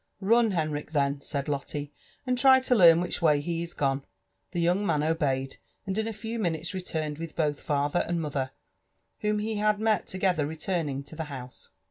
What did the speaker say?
•*Run, Henrich, then," said Lotte, and try to learn which way he is gone." The young man obeyed, and in a few minutes returned with both father and mother, whom he had met together returning to the house.